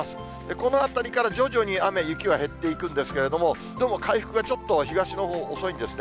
このあたりから徐々に雨、雪は減っていくんですけれども、どうも回復がちょっと東のほう、遅いんですね。